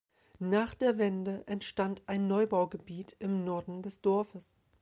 Nach der Wende entstand ein Neubaugebiet im Norden des Dorfes.